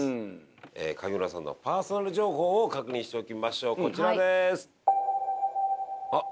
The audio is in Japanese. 上村さんのパーソナル情報を確認しておきましょうこちらですあっ